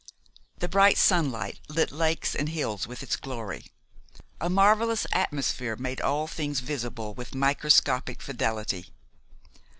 The bright sunshine lit lakes and hills with its glory. A marvelous atmosphere made all things visible with microscopic fidelity.